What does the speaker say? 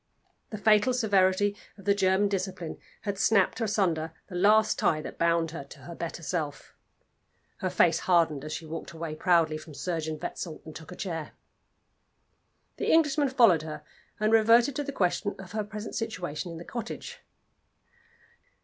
The fatal severity of the German discipline had snapped asunder the last tie that bound her to her better self. Her face hardened as she walked away proudly from Surgeon Wetzel, and took a chair. The Englishman followed her, and reverted to the question of her present situation in the cottage.